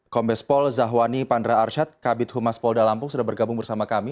kombes pol zahwani pandra arsyad kabit humas polda lampung sudah bergabung bersama kami